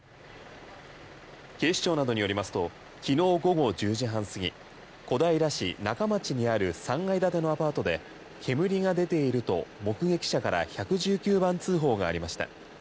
警視庁などによりますときのう午後１０時半すぎ小平市仲町にある３階建てのアパートで煙が出ていると目撃者から１１９番通報がありました。